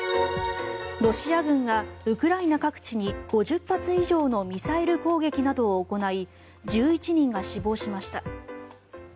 ロシア軍がウクライナ各地に５０発以上のミサイル攻撃などを行い１１人が死亡しました。